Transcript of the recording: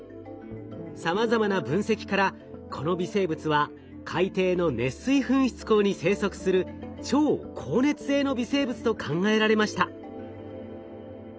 さまざまな分析からこの微生物は海底の熱水噴出孔に生息する超好熱性の微生物と考えられました。